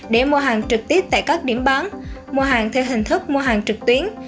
để mua hàng trực tiếp tại các điểm bán mua hàng theo hình thức mua hàng trực tuyến